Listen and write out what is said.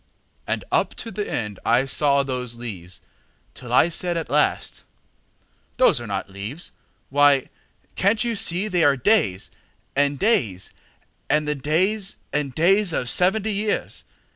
And up to the end I saw those leaves Till I said at last, "Those are not leaves, Why, can't you see they are days and days And the days and days of seventy years?